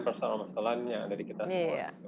persama sama soalannya dari kita semua